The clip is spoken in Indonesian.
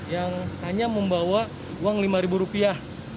yang hanya membawa uang lima ribu rupiah